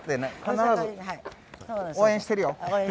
必ず「応援してるよ」。